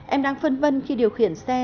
em đang phân vân khi điều khiển xe